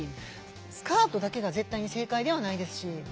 スカートだけが絶対に正解ではないですし。